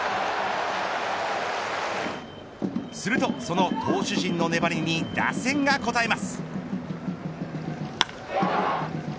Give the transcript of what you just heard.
すると、その投手陣の粘りに打線が応えます。